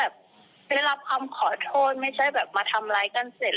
ไม่ได้รับคำขอโทษไม่ใช่แบบมาทำร้ายกันเสร็จ